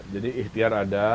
jadi ikhtiar ada